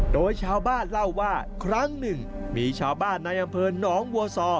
โดยชาวบ้านเล่าว่าครั้งหนึ่งมีชาวบ้านในอำเภอหนองบัวซอ